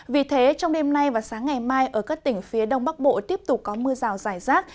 vì thế trong đêm nay và sáng ngày mai ở các tỉnh phía đông bắc bộ tiếp tục có mưa rào rải rác